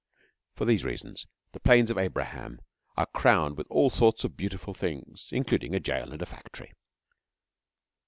For these reasons the Plains of Abraham are crowned with all sorts of beautiful things including a jail and a factory.